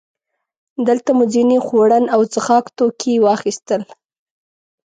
دلته مو ځینې خوړن او څښاک توکي واخیستل.